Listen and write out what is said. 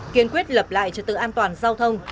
kiên quyết lập lại trật tự an toàn giao thông